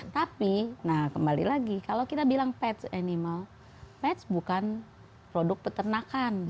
tapi kembali lagi kalau kita bilang pets animal pets bukan produk peternakan